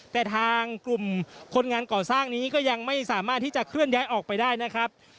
แต่ทางกลุ่มคนงานก่อสร้างนี้ก็ยังไม่สามารถที่จะเคลื่อนย้ายออกไปได้นะครับ